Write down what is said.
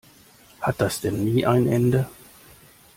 Hat das denn nie ein Ende?